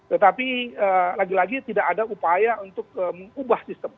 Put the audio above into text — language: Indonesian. tetapi lagi lagi tidak ada upaya untuk mengubah sistem